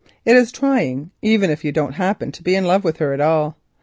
It is trying even if you do not happen to be in love with her at all.